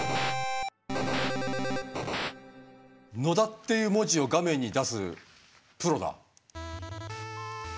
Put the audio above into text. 野田っていう文字を画面に出すプロだ。